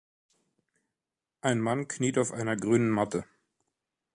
ein Mann kniet auf einer grünen Matte.